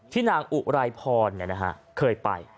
ที่นางอุไรพรเนี่ยนะฮะเคยไป